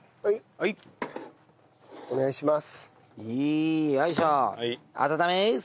はいお願いします。